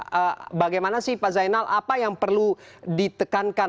jadi bagaimana sih pak zainal apa yang perlu ditekan